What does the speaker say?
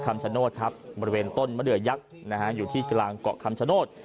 คำชโนธครับบริเวณต้นมะเดือยักษ์นะฮะอยู่ที่กลางเกาะคำชโนธ